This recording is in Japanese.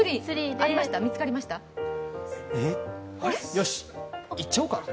よし、いっちゃおうか！